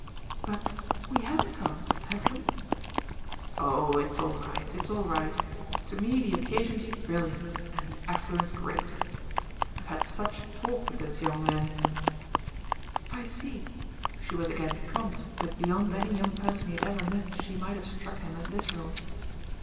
"But we haven't come, have we?" "Oh it's all right it's all right. To me the occasion's brilliant and the affluence great. I've had such talk with those young men " "I see" she was again prompt, but beyond any young person he had ever met she might have struck him as literal.